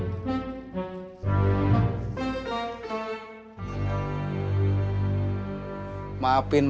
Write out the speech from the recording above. sudah berapa hari